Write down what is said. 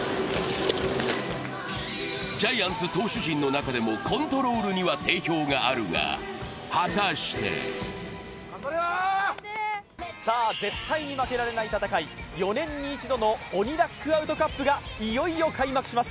ジャイアンツ投手陣の中でも、コントロールには定評があるが、果たして絶対に負けられない戦い、４年に一度の鬼ラックアウトがいよいよ開幕します。